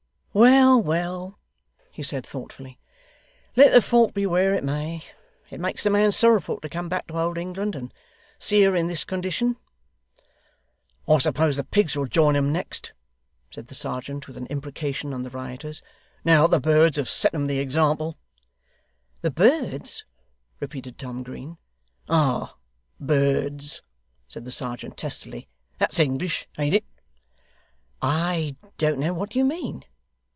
'Well, well,' he said thoughtfully; 'let the fault be where it may, it makes a man sorrowful to come back to old England, and see her in this condition.' 'I suppose the pigs will join 'em next,' said the serjeant, with an imprecation on the rioters, 'now that the birds have set 'em the example.' 'The birds!' repeated Tom Green. 'Ah birds,' said the serjeant testily; 'that's English, an't it?' 'I don't know what you mean.